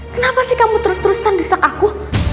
kenapa sih kamu terus terusan desak aku